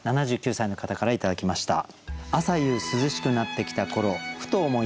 ７９歳の方から頂きました。